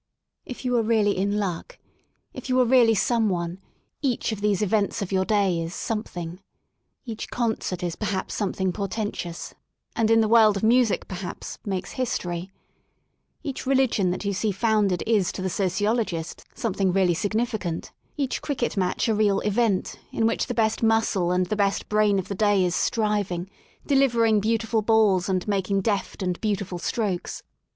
If you are really in luck, if you are really I20 LONDON AT LEISURE idoafi^ne^ each of these events of your day is some thing, Each concert is something portentous and, in the world of music perhaps, makes history* Each religion that you see founded is to the sociologist something really significant^ each cricket match a real *' event in which the best muscle and the best brain of the day is striving, delivering beautiful balls and making deft and beautiful strokes.